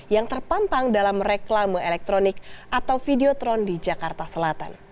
yang terpampang dalam reklame elektronik atau videotron di jakarta selatan